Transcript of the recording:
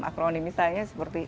akronim misalnya seperti